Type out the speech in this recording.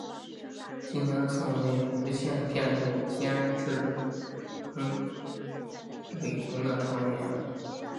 近年曾为无线电视监制文伟鸿的常用演员。